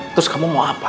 terus kamu mau apa